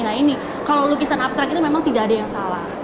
nah ini kalau lukisan abstrak itu memang tidak ada yang salah